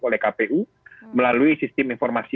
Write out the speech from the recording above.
oleh kpu melalui sistem informasi